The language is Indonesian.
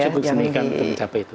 cukup signifikan untuk mencapai itu